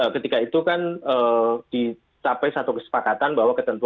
ketika itu kan dicapai satu kesepakatan bahwa ketentuan